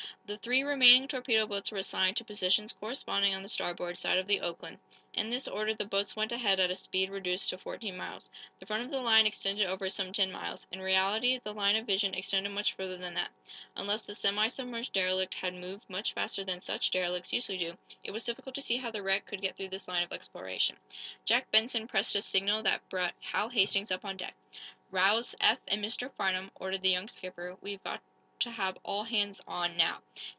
'" The three remaining torpedo boats were assigned to positions corresponding on the starboard side of the "Oakland." In this order the boats went ahead at a speed reduced to fourteen miles. The front of the line extended over some ten miles; in reality the line of vision extended much further than that. Unless the semi submerged derelict had moved much faster than such derelicts usually do, it was difficult to see how the wreck could get through this line of exploration. Jack Benson pressed a signal that brought Hal Hastings up on deck. "Rouse Eph and Mr. Farnum," ordered the young skipper. "We've got to have all hands on, now.